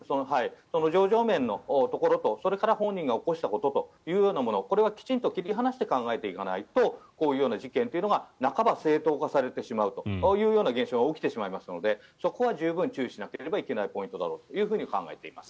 情状面のところと、それから本人が起こしたということこれはきちんと切り離して考えていかないとこういうような事件というのが半ば正当化されてしまうという現象が起きてしまいますのでそこは十分注意しなければいけないポイントだろうと思います。